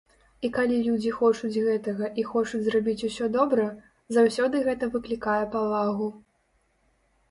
І калі людзі хочуць гэтага і хочуць зрабіць усё добра, заўсёды гэта выклікае павагу.